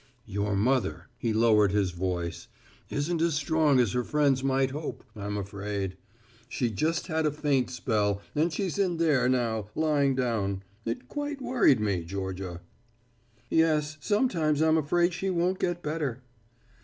"Your mother," he lowered his voice, "isn't as strong as her friends might hope, I'm afraid. She just had a faint spell, and she's in there now, lying down. It quite worried me, Georgia." "Yes, sometimes I'm afraid she won't get better."